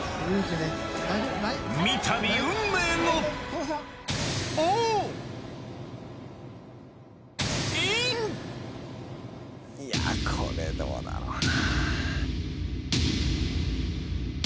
三度運命のいやこれどうだろうな。